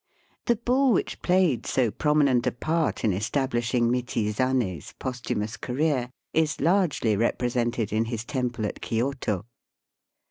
The bull which played so prominent a part in estabKshing Michizane's posthumous career is largely represented in his temple at Kioto.